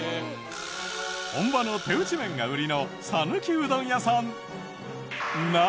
本場の手打ち麺が売りの讃岐うどん屋さん。